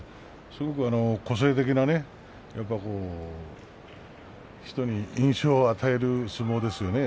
すごく個性的な人に印象を与える相撲ですよね。